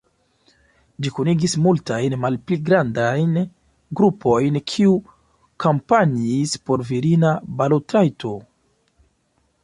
Ĝi kunigis multajn malpli grandajn grupojn kiu kampanjis por virina balotrajto.